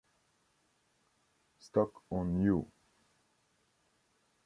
Stuck on You!